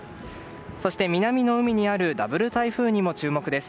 そして、南の海にあるダブル台風にも注目です。